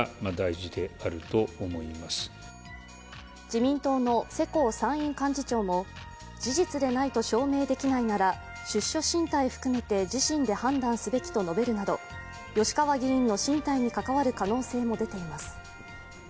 自民党の世耕参院幹事長も事実でないと証明できないなら出処進退を含めて自身で判断すべきと述べるなど吉川議員の進退に関わる可能性も出ています。